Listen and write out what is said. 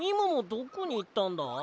どこにいったんだ？